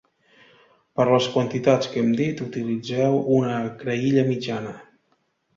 Per a les quantitats que hem dit, utilitzeu una creïlla mitjana.